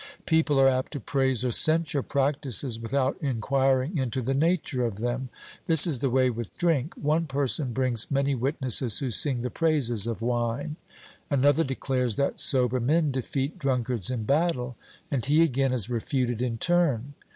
People are apt to praise or censure practices without enquiring into the nature of them. This is the way with drink: one person brings many witnesses, who sing the praises of wine; another declares that sober men defeat drunkards in battle; and he again is refuted in turn.